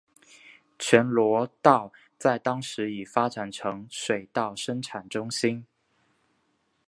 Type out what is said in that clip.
全罗道在当时已发展成水稻生产中心。